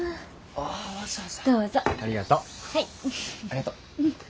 ありがとう。